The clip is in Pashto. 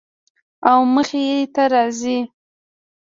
او مخې ته راځي